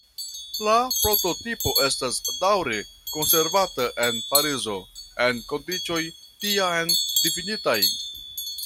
La prototipo estas daŭre konservata en Parizo, en kondiĉoj tiam difinitaj.